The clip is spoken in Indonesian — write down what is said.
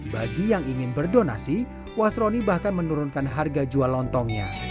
bagi yang ingin berdonasi wasroni bahkan menurunkan harga jual lontongnya